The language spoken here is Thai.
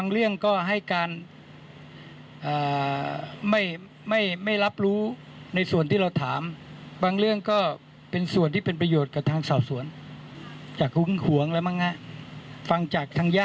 เยอะเลยเยอะ